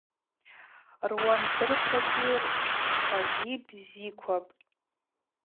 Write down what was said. Руандырквагьи ртшквагьи бзиквапӏ.